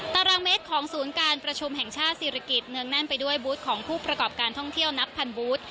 ตารางเมตรของศูนย์การประชุมแห่งชาติศิริกิจเนืองแน่นไปด้วยบูธของผู้ประกอบการท่องเที่ยวนับพันบูธ